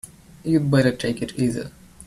You'd better take it easy.